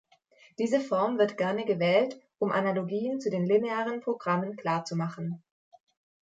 Diese Form wird gerne gewählt, um Analogien zu den linearen Programmen klarzumachen.